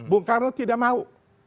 bung karno tidak mau